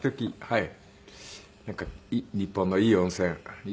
はい。